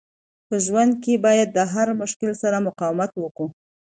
په ژوند کښي باید د هر مشکل سره مقاومت وکو.